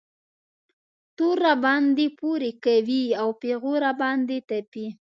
تور راباندې پورې کوي او پېغور را باندې تپي.